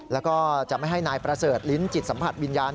แล้วก็จะไม่ให้นายประเสริฐลิ้นจิตสัมผัสวิญญาณ